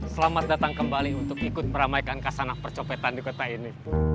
selamat datang kembali untuk ikut meramaikan kasanah percopetan di kota ini